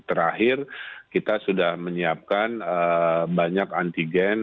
terakhir kita sudah menyiapkan banyak antigen